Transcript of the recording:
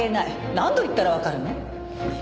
何度言ったらわかるの？